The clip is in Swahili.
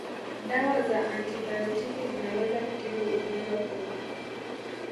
Dawa za antibiotiki zinaweza kutibu ugonjwa huu